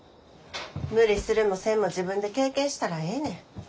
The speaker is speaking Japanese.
無理するもせんも自分で経験したらええねん。